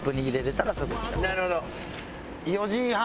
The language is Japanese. なるほど。